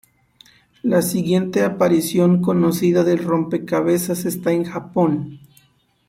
La siguiente aparición conocida del rompecabezas está en Japón.